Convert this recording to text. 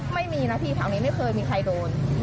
ไม่มีนะพี่แถวนี้ไม่เคยมีใครโดน